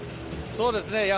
そうですね。